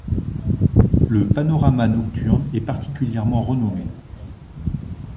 Le panorama nocturne est particulièrement renommé.